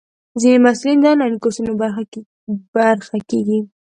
ځینې محصلین د انلاین کورسونو برخه کېږي.